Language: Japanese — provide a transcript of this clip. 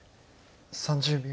３０秒。